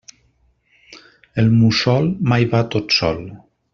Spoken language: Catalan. El mussol mai va tot sol.